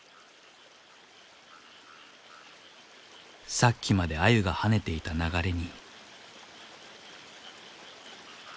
さっきまでアユが跳ねていた流れに。